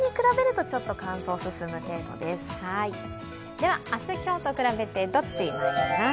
では明日と今日と比べてどっちにまいります。